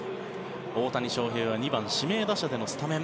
大谷翔平は２番指名打者でのスタメン。